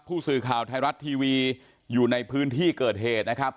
ผู้สื่อข่าวไทยรัฐทีวีอยู่ในพื้นที่เกิดเหตุนะครับ